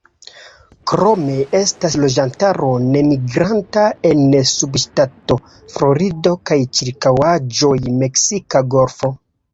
Krome estas loĝantaro nemigranta en subŝtato Florido kaj ĉirkaŭaĵoj -Meksika golfo-.